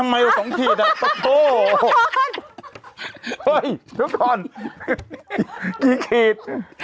ไม่ดูก่อนกี่ขีด